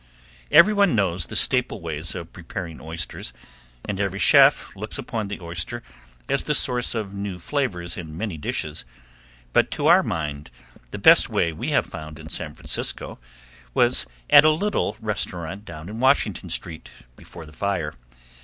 Everyone knows the staple ways of preparing oysters, and every chef looks upon the oyster as the source of new flavors in many dishes, but to our mind the best way we have found in San Francisco was at a little restaurant down in Washington street before the fire.